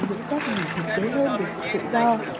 những cách để tìm tế hôn về sự tự do